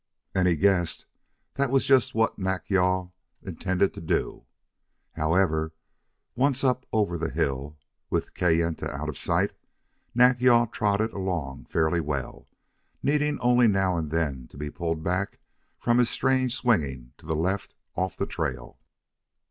And he guessed that was just what Nack yal intended to do. However, once up over the hill, with Kayenta out of sight, Nack yal trotted along fairly well, needing only now and then to be pulled back from his strange swinging to the left off the trail.